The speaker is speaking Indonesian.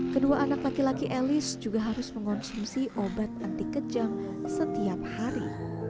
kedua anak laki laki elis juga harus mengonsumsi obat anti kejang setiap hari